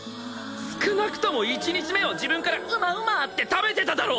少なくとも１日目は自分からうまうまって食べてただろ！